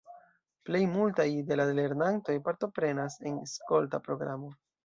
Plej multaj de la lernantoj partoprenas en skolta programo.